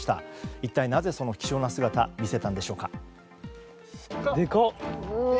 一体なぜ、その希少な姿を見せたのでしょうか。